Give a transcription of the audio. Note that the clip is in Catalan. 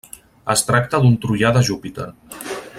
Es tracta d'un troià de Júpiter.